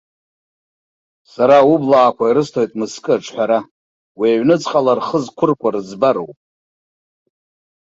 Сара аублаақәа ирысҭоит мызкы аҿҳәара, уи аҩнуҵҟала рхы зқәыркуа рыӡбароуп.